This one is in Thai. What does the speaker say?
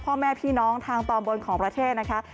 พ่อแม่พี่น้องทางตอนบนของประเทศนะคะ